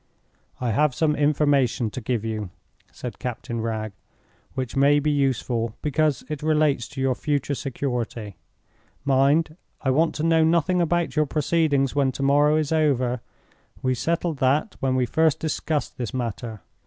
"I have some information to give you," said Captain Wragge, "which may be useful, because it relates to your future security. Mind, I want to know nothing about your proceedings when to morrow is over; we settled that when we first discussed this matter.